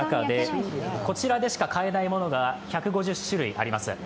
１５００種類ある中で、こちらでしか変えないものが１５０種類あります。